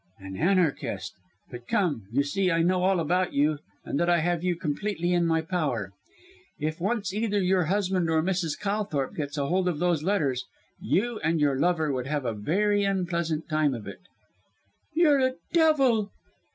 "An Anarchist! But come, you see I know all about you and that I have you completely in my power. If once either your husband or Mrs. Calthorpe gets hold of those letters you and your lover would have a very unpleasant time of it." "You're a devil!"